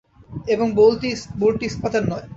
এবং বোল্টটি ইস্পাতের নয়।